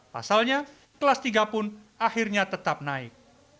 pasalnya kelas tiga pun akhirnya tetap naik